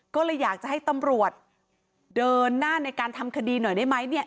ก็เลยอยากจะให้ตำรวจเดินหน้าในการทำคดีหน่อยได้ไหมเนี่ย